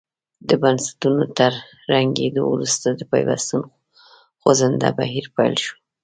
د بنسټونو تر ړنګېدو وروسته د پیوستون خوځنده بهیر پیل شو.